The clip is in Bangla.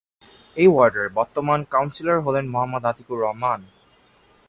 এ ওয়ার্ডের বর্তমান কাউন্সিলর হলেন মো: আতিকুর রহমান।